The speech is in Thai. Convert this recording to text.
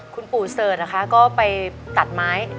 คุณปู่เสิร์ชนะคะก็ไปตัดไม้